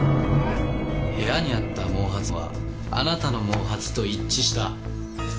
部屋にあった毛髪はあなたの毛髪と一致した。